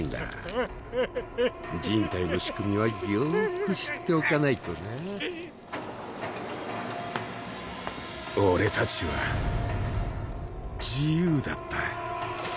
ああっ人体の仕よく知っておかないとなひっ俺たちは自由だった。